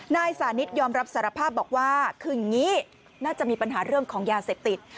นายสานิทยอมรับสารภาพบอกว่าคืออย่างนี้น่าจะมีปัญหาเรื่องของยาเสพติด